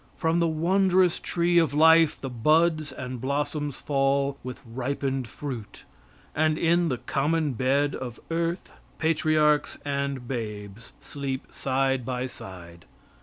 From the wondrous tree of life the buds and blossoms fall with ripened fruit, and in the common bed of earth patriarchs and babes sleep side by side.